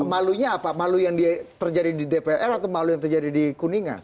malunya apa malu yang terjadi di dpr atau malu yang terjadi di kuningan